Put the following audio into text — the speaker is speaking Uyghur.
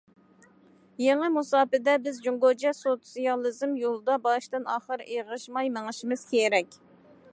يېڭى مۇساپىدە، بىز جۇڭگوچە سوتسىيالىزم يولىدا باشتىن- ئاخىر ئېغىشماي مېڭىشىمىز كېرەك.